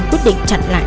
quyết định chặn lại